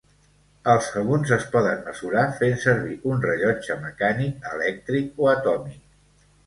Els segons es poden mesurar fent servir un rellotge mecànic, elèctric o atòmic.